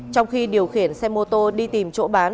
trong khi điều khiển xe mô tô đi tìm chỗ bán